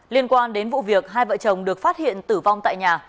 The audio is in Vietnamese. liên quan đến vụ việc hai vợ chồng được phát hiện tử vong tại nhà